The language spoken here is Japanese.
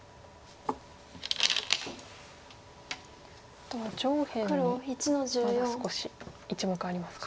あとは上辺にまだ少し１目ありますか。